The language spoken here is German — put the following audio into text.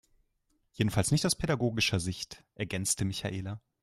Jedenfalls nicht aus pädagogischer Sicht, ergänzte Michaela.